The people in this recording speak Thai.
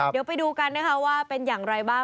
เดี๋ยวไปดูกันนะคะว่าเป็นอย่างไรบ้าง